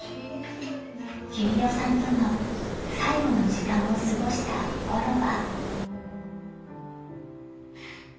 ［君代さんとの最期の時間を過ごしたコロは］